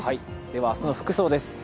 では明日の服装です。